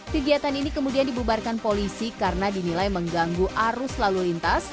kegiatan ini kemudian dibubarkan polisi karena dinilai mengganggu arus lalu lintas